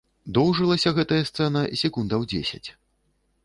Доўжылася гэтая сцэна секундаў дзесяць.